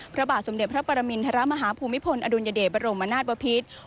พระบาทสมเด็จพระปรมินทรมาฮภูมิพลอดุลยเดชบรมนาศบพิษ